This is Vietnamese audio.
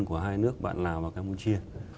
của hai nước bạn lào và campuchia